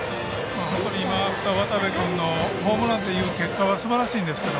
渡部君のホームランという結果はすばらしいんですけれど